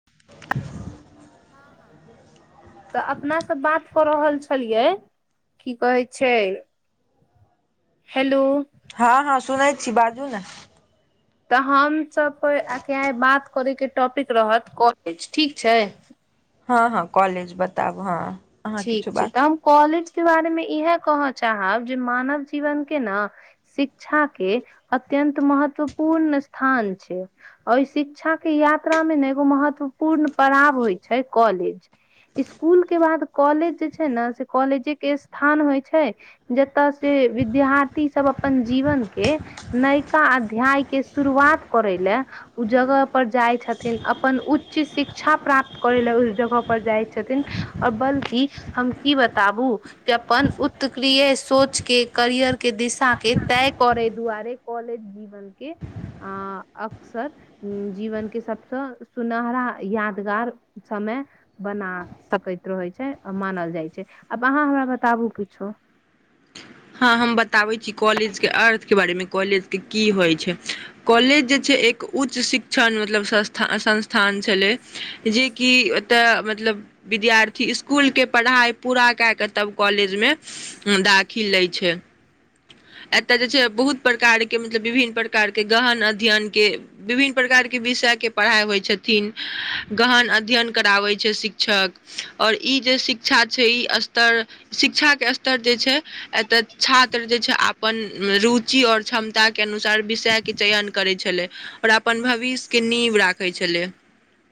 [inaudible] हँ हँ तऽ अपनासँ बात कऽ रहल छलियै की कहै छै हेलो हँ हँ सुनै छी बाजू ने तऽ हमसभके आइ बात करयके टॉपिक रहत कॉलेज ठीक छै हँ हँ कॉलेज बताब हँ अहाँ ठीक किछु छै तऽ बाजू हम कॉलेज के बारे मे इएह कहऽ चाहब जे मानव जीवन के न शिक्षा के अति अत्यन्त महत्वपूर्ण स्थान छै ओहि शिक्षा के यात्रा मे ने एगो महत्वपूर्ण प पढ़ाव होइ छै कॉलेज स्कूल के बाद कॉलेज जे छै ने से कॉलेजे के स्थान होय छै जतय से विद्यार्थी सब अपन जीवन के नयका अध्याय के शुरुआत करय लेल ओ जगह पर जाइ छथिन अपन उच्च शिक्षा प्राप्त करय लए उस जगह पर जाइ छथिन आओर बल दिदि हम की बताबू जे अपन उतक्रिय सोच के करियर के दिशा के तय करे दुआरे कॉलेज जीवन के अ अक्सर जीवन के के सबसँ सुनहरा यादगार समय बना सकैत रहय छै मानल जाइ छै आब अहाँ हमरा बताबू किछो हँ हम बताबै छी कॉलेज के अर्थ के बारेमे कॉलेज के की होय छै कॉलेज जे छै एक उच्च शिक्षण मतलब संस्था संस्थान छलय जेकि तऽ मतलब विद्यार्थी स्कुल के पढ़ाइ पूरा कए कऽ तब कॉलेजमे दाखिल लै छै एतय जे छै बहुत प्रकार के मतलब विभिन्न प्रकार के गहन अध्ययन के विभिन्न प्रकार हर विषय के पढ़ाइ होइ छथिन गहन अध्ययन कराबै शिक्षक आओर ई जे शिक्षा छै ई स्तर शिक्षा के स्तर जे एतऽ छात्र जे छै अपन रुचि आओर क्षमता के अनुसार विषय के चयन करे छले आओर अपन भविष्यके नीव राखै छलै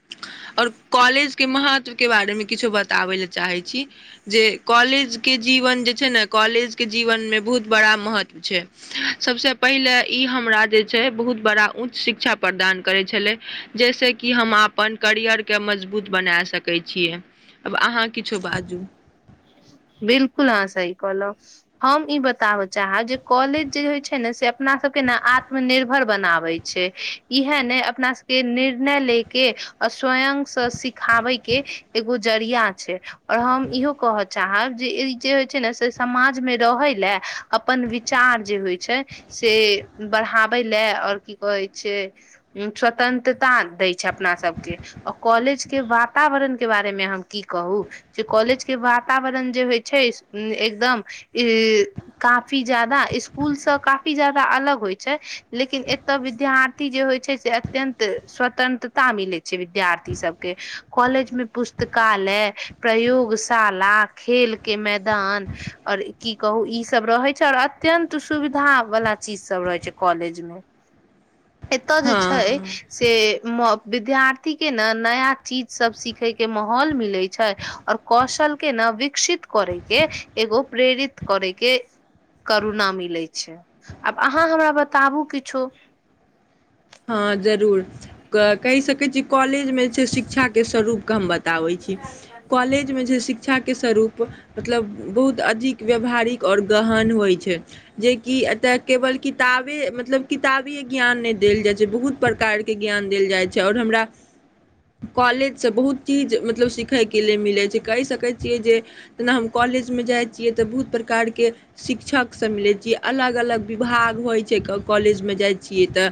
[inaudible] और कॉलेज के महत्व के बारे मे किछु बताबे ले चाहे छी जे कॉलेज के जी जीवन जे छै ने कॉलेजके जीवनमे बहुत बड़ा महत्व छै सबसँ पहिले ई हमरा जे छै बहु बड़ा उच्च शिक्षा प्रदान करै छलै जाहिसँ कि हम अपन करियर के मजबुत बने सकैय छीय अहाँ किछो बाजू बिलकुल हँ सही कहलो हम ई बताबऽ चाहब जे कॉलेज जे होइत छै ने से अपना सबके ने आत्मनिर्भर बनाब छै इह ने अपना सबके निर्णय ले के स्वयं से सिखाबै के एगो जरिया छै ओर हम इहो कहय चाहब जे ई जे होइ छै ने से समाज मे रहे ल अपन वि विचार जे होइ छै से बढ़ाबै ल आओर की कहै छै स्वतन्त्रता दै छै अपना सबके आ कॉलेज के वातावरण के बारे मे हम की कहू जे कॉलेज के वातावरण जे होइ छै एकदम इ काफी जादा जादा स्कूल से काफी जादा अलग होइ छै लेकिन एतय विद्यार्थी जे होइ छै से अत्यंत त स्वतंत्रता मिलै छै विद्यार्थी सबके कॉलेज में पुस्तकालय प्रयोगशाला खेल के मैदान आऔर की कहू ई सब रहै छै आओर अत्यंत सुविधा वला चीज सब रहै छै कॉलेज मे एतय जे छै हँ से म विद्यार्थी के ने नया चीज सब सिखे के माहौल मिले छै आओर कौशल के न विकसित करैके एगो प्रेरित करैके करुणा मिलै छै आब अहाँ हमरा बताबू किछो हँ जरूर कहि सकैत छी कॉलेज मे जे छै शिक्षाक के स्वरूपके हम बताब ता होंछै कॉलेज मे जे शिक्षा के स्वरूप मतलब बहुत अधिक व्यावहारिक आओर गहन होइ छै जेकि एत न केवल किताबे मतलब किताबिय ज्ञान ने देल जेतय जे बहुत प्रकारके ज्ञान देल जाइ छै आओर हमरा कॉलेज सँ बहुत चीज मतलब सिखयके लेल मिलै छै कहि सकैत छियै जे जेना हम कॉलेज कॉलेज में जाय छियै तऽ बहुत प्रकार के शिक्षक सब मिले छियै अलग अलग विभाग होइ छै कॉलेजमे जाइ छियै तऽ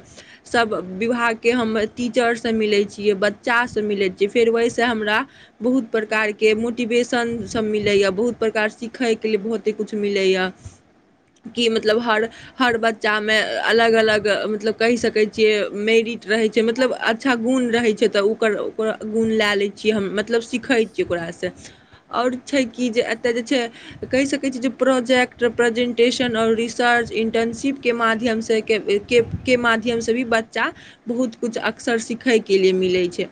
सब विभाग के हम टीचर से मिले छिये बच्चा सब मिले छिये फेर वहि त हमरा बहुत प्रकार के मोटिवेशन सभ मिलैए बहुत प्रकार सीखयके लिए बहुते किछु मिलैए कि मतलब हर हर बच्चा मे अलग अलग मतलब कहि सकैत जे मेरिट रहै छै मतलब अच्छा गुण रहै छै तऽ ओकर ओकर गुण लए लै छियै हम मतलब सीखै छियै ओकरा सँ आओर छै कि जे एतय जे छै कहि सकैत छीयै जे प्रोजेक्ट प्रेजेंटेशन आओर सर्च इंटर्नशिप के माध्यम से के के माध्यम से भी बच्चा बहुत कुछु अक्सर सिखय के लिए मिलै छै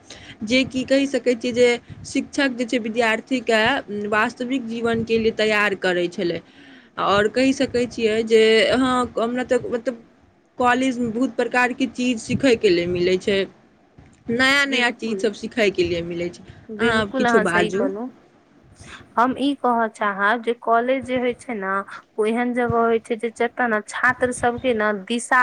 जेकि कहि सकै छियै जे शिक्षक जे छै विद्यार्थी के वास्तविक जीवनके लिए तैयार करै छलै आओर कहि सकैत छियै जे हहँ हमरा तऽ मतलब कॉलेजमे बहुत प्रकारके चीज सीखयके लेल मिलै छै नया नया बिलकुल चीजसभ सिखयके लिए मिलै छै अहाँ बिलकुल किछो सही बाजू कहलौं हम ई कह चाहब जे कॉलेज जे होय छै ने ओ एहन जगह होइ छै जे त ने छात्र सबके न दिशा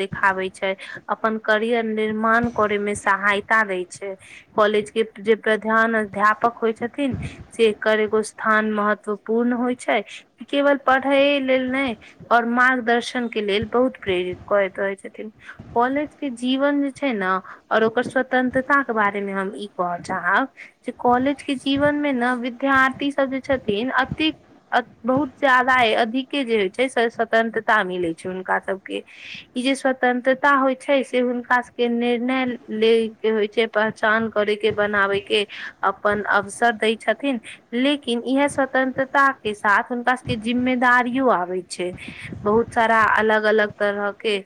देखाबे छै अपन करियर निर्माण करे मे सहायता दय छै कॉलेज के जे प्रधान अध्यापक होइ छथिन से करे एगो स्थान महत्वपूर्ण होइ छै ई केवल पढ़े लेल नहि और मार्गदर्शन न के लेल बहुत प्रेरित करैत रहै छथिन कॉलेज के जीवन जे छै न और ओकर स्वतंत्रता के बारे मे हम ई कहऽ चाहब जे कॉलेज के जीवन मे ने विद्य बिधयार्थी सब जे छथिन अतेक अ बहुत जादा अधिके जे होइ छै स्वतंत्रता मिलै छै हुनका सभके ई जे स्वतंत्रता होय छै से हुनका सब के निर्णय ले के होइ छै पहचान करे के बनाबै के अपन अवसर दै छथिन लेकिन इह स्वतंत्रता के साथ हुनका सबके जिम्मेदारियो आबै छै बहुत बहुत सारा अलग अलग तरह के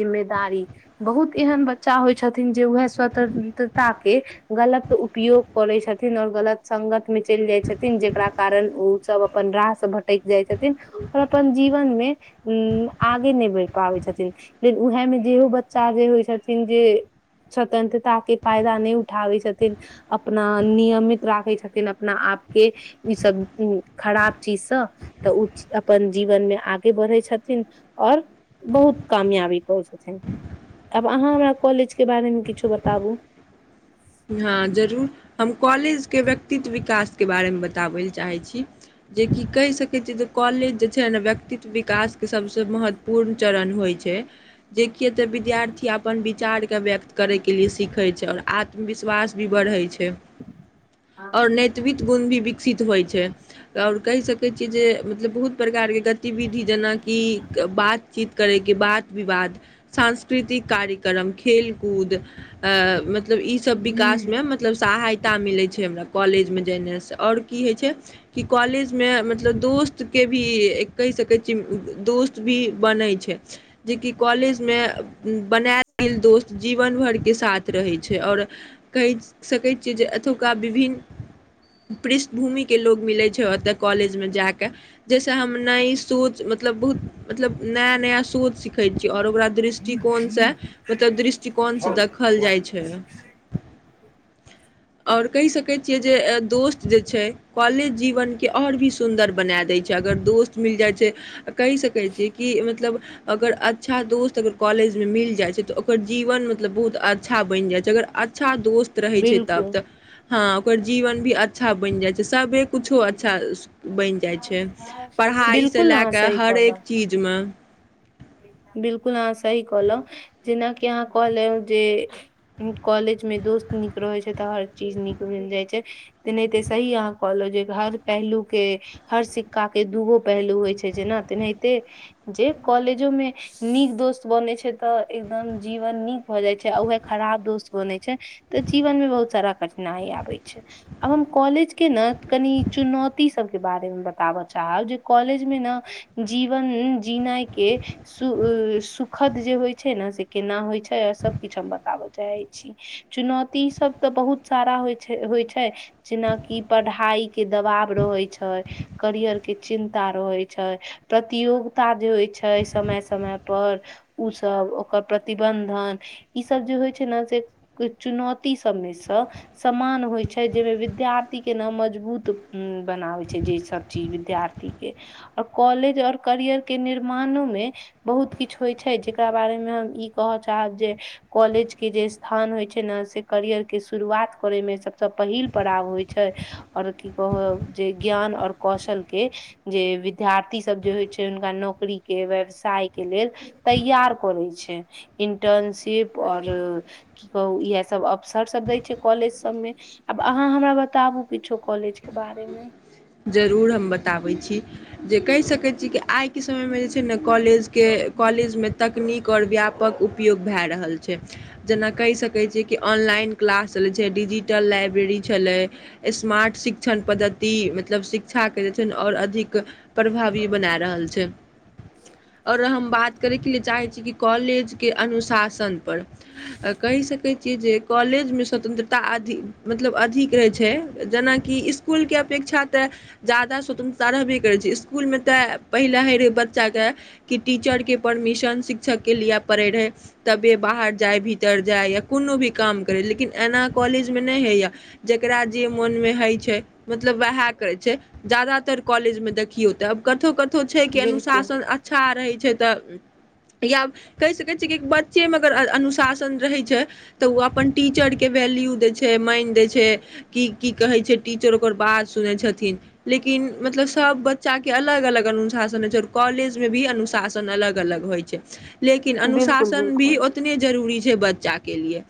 जिम्मेदारी बहुत एहन बच्चा होइ छथिन जे उह स्वतंत्रता के गलत उपयोग करै छथिन आओर गलत संगत मे जे चल जाइ छथिन जेकरा कारण ओ सब अपन राह से भटक जाइ छथिन आओर अपन जीवन मे उ आगे नहि बढ़ि पाबै छथिन लेकिन उएहमे जेहो बच्चा जे होइ छथिन जे स्वतंत्रता के फायदा नहि उठाबै छथिन अपना नियमित राखै छथिन अपना आप के ई सब खराब चीज से तऽ ओ अपन जीवन मे आगे बढ़े छै छथिन ओर बहुत काम है अभि कश कहत के बारेमे किछु बताबू हँ जरूर हम कॉलेज के व्यक्तित्व विकास के बारे मे बताबै ल चाहे छी जेकि कहि सकैत छी जे कॉलेज जे छै व्यक्तित्व विकास के सबसे महत्वपूर्ण चरण होइ छै जेियए तऽ विद्यार्थी अपन विचार के व्यक्त करय के लिए सीखय छै ओर आत्म विश्वास भी बढ़ै छै हँ आओर नैतिव गुण भी विकसित होइ छै आओर कहि सकै छियै जे मतलब बहुत प्रकारके गतिविधि जेनाकि बातचीत करैके बात विवाद सांस्कृतिक कार्यक्रम खेलकूद आ मतलब सब हम्म विकासमे मतलब सहायता मिलै छै हमरा कॉलेजमे जेना से आओर की होइ छै कि कॉलेज मे मतलब दोस्त के भी कहि सकै छीयै दोस्त भी भी बनै छै जेकि कॉलेजमे बनायल गेल दोस्त जीवन भरके साथ हाथ रहै छै आओर कहि सकैत छियै जे एतुका विभिन्न पृष्ठभूमिक के लोग मिलै छै ओतऽ कॉलेज मे जा क जहिस हम नहि ई सोच मतलब बहुत मतलब नया नया सोत सीखे छी आओर ओकरा दृष्टिकोण से मतलब दृष्टिकोण से देखल जाइ छै [inaudible] और कहि सके छिये जे दोस्त जे छै कॉलेज जीवन के और भी सुन्दर बना देय छै अगर दोस्त मिल जाइ छै कहि सकै छीय कि मतलब अगर अच्छा दोस्त अगर कॉलेज मे मिल जाइ छै तऽ ओकर जीवन मतलब बहुत अच्छा बइन जाइ छै अगर अच्छा दोस्त रहे छै तब बिल्कुल तऽ हँ ओकर जीवन भी अच्छा बनि जाय छै सब एक किछो अच्छा बनि जाइ छै पढ़ाइसँ बिल्कुल लए अहाँ कऽ सही हरेक कहलहुँ चीजमे बिल्कुल अहाँ सही कहलहुँ जेनाकि अहाँ कहलेहु जे कॉलेज में दोस्त नीक रहे छै तऽ हर चीज निक मिल जाय छै ते नहि ते सही अह कॉलेज जे हर पहलू के हर सिका के दूगो पहलू होइ छै जेना तेनाहिते कॉलेज जो में नीक दोस्त बने छै तऽ एकदम जीवन नीक भऽ जाय छै आ उएह खराब दोस्त बन तऽ जीवन मे बहुत सारा कठिनाइ आबै छै आब हम कॉलेज के ने कनि चु चुनौती सबके बारे मे बताबऽ चाहब जे कॉलेज मे ने जीवन जीनाय के सु सुखद जे होइ छै ने से केना होइ छै आर सब किछु हम बताबऽ चाही चुनौती सब तऽ बहुत सारा होइ छै होइ छै जेनाकि पढ़ाई के दबाव रहै छै करियर के चिन्ता रहै छै प्रतियोगिता जे होय छै छै समय समय पर उ सब ओकर प्रतिबंधन ई सब जे होइ छै ने से चुनौती सभमेसँ समान होइ छै जाहिमे विद्यार्थी के न मजबूत उ बनावे छै जे सब चीज विद्यार्थी के और कॉलेज और करियर केर् मानो मे बहुत किछु होइ छै जेकरा बारे मे हम ई कहऽ चाहब जे कॉलेज के जे स्थान होय छै ने से करियर के शुरुआत करे मे सबस पहिल पड़ाव होय छै छै आओर की कह जे ज्ञान आओर कौशल के जे विद्यार्थी सब जे होइ छै हुनका नोक नौकरीके व्यवसाय के लेल तैयार करै छै इन्टर्नशिप आओर की कहुं यैह सब अवसर सब दै छै कॉलेज सब मे आब अहाँ हमरा बताबु किछो क कॉलेज के बारेमे जरूर हम बताबै छी जे कहि सकैत छी कि आइके समयमे जे छै ने कॉलेजके कॉलेज मे तकनीक आओर व्यापक उपयोग भए रहल छै जेना कहि सकैत छियै कि ऑन आनलाइन क्लास चलय छै डिजिटल लाइब्रेरी छलै स्मार्ट शिक्षण पद्धति मतलब शिक्षाके जे छै ने आओर अधिक प्रभावी बना रहल छै आओर हम बात करैके लि चाहैत छी कि कॉलेजके अनुशासनपर कहि कहि सकैत छियै जे कॉलेजमे स्वतंत्रता अधि मतलब अधिक रहय छै जेनाकि स्कुलके अपेक्षा तऽ ज्यादा स्वतंत्रता रहबे करय छै स्कूल में तै पहिलाहि रहय बच्चा कै टिचर के परमिशन शिक्षक के लिए पड़े रहै तबे बाहर जाय भीतर जाय या कोनो भी काम कम करैला लेकिन ऐना काॅलेज में नहि होई यै जेकरा जे मोन में होई छै मतलब वैहा करय छै जादातर कॉलेज मे देखियौ त अब कथो क तो छै के बिल्कुल अनुशासन अच्छा रहय छै तऽ या कहि सकै छीयै कि बच्चे मे अगर अन अनुशासन रहै छै तऽ ओ अपन टीचर के वेल्यू दे छै माइन दे छै की की कहे छै टीचर ओकर बात सुनै छ थिन लेकिन मतलब सब बच्चा के अलग अलग अनुशासन होय छै और कॉलेज में भी अनुशासन अ अलग अलग होइ छै लेकिन बिल्कुल अनुशासन भी बिल्कुल ओतने जरूरी छै बच्चा के लिए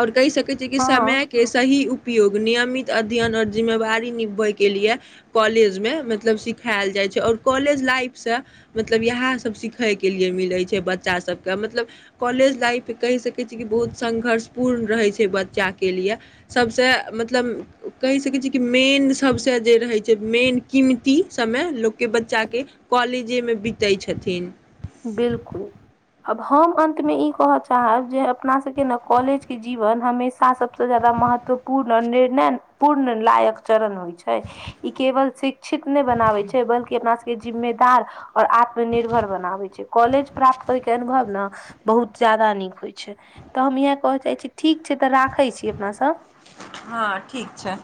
और कहि सकै कहै छियै कि हँ समय के सही उपयोग नियमित अध्ययन आओर जिम्मेवारी नि होय के लिए काॅलेज में मतलब सिखायल जाय छै और काॅलेज लाइफ से मतलब इहै सब सीखय के लिए मिलै छै बच्चा सब के मतलब कॉलेज लाइफ कहि सकै छी कि बहुत संघर्ष पूर्ण रहै छै बच्चा के लिए सबसे मतलब कहि सकै छियै कि मेन सबसे जे रहैय छै मेन कीमती समय लोक के बच्चा के कॉलेजे मे बितैय छथिन बिलकुल अब हम अन्त मे ई कहऽ चाहब जे अपना सबके ने कॉलेज के जीवन हमेशा सबसँ जादा महत महत्वपूर्ण आ निर्णय पूर्ण लायक चरण होइ छै ई केवल शिक्षित नहि बना छै बल्कि अपना सबके जिम्मेदार और आत्मनिर्भर बनाबै छै कॉलेज प्राप्त होय के अनुभव ने बहुत जादा नीक होइ छै तऽ हम इहय कहय चाहै छी ठीक ठीक छै तऽ राखै छी अपना सब हँ ठीक छै